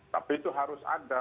tapi itu harus ada